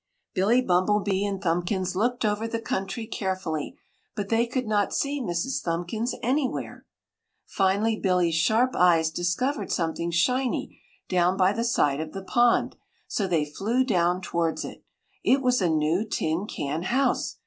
Billy Bumblebee and Thumbkins looked over the country carefully, but they could not see Mrs. Thumbkins anywhere. Finally Billy's sharp eyes discovered something shiny down by the side of the pond, so they flew down towards it. It was a new tin can house.